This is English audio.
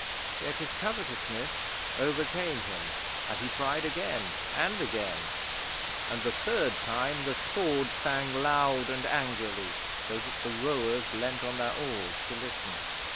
Yet his covetousness overcame him and he tried again and again, and the third time the Sword sang loud and angrily, so that the rowers leaned on their oars to listen.